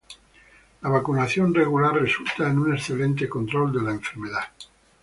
La vacunación regular resulta en un excelente control de la enfermedad.